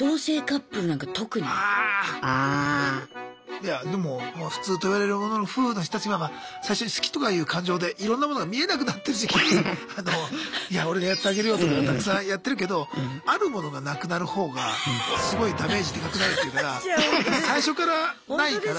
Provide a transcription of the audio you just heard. いやでも普通といわれるものの夫婦の人たちは最初に好きとかいう感情でいろんなものが見えなくなってる時期にいや俺がやってあげるよとかたくさんやってるけどあるものがなくなる方がすごいダメージでかくなるっていうから最初からないから。